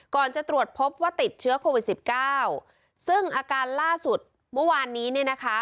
ก่อนจะตรวจพบว่าติดเชื้อโควิดสิบเก้าซึ่งอาการล่าสุดเมื่อวานนี้เนี่ยนะคะ